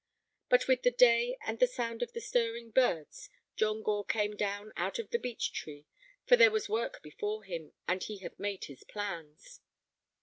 But with the day and the sound of the stirring of birds, John Gore came down out of the beech tree, for there was work before him, and he had made his plans.